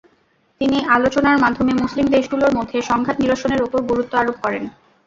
তিনি আলোচনার মাধ্যমে মুসলিম দেশগুলোর মধ্যে সংঘাত নিরসনের ওপর গুরুত্ব আরোপ করেন।